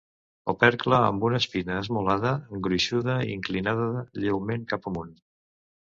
Opercle amb una espina esmolada, gruixuda i inclinada lleument cap amunt.